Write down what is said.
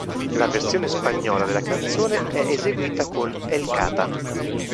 La versione spagnola della canzone è eseguita con El Cata.